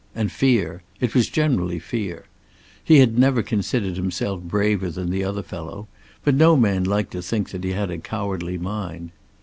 And fear. It was generally fear. He had never considered himself braver than the other fellow, but no man liked to think that he had a cowardly mind.